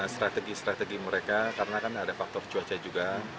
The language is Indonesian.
strategi strategi mereka karena kan ada faktor cuaca juga